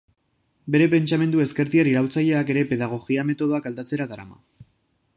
Bere pentsamendu ezkertiar iraultzaileak ere pedagogia-metodoak aldatzera darama.